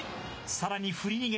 さらに振り逃げ。